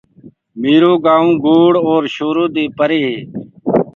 ميرو گآئونٚ گوڙ اور شورو دي پري هي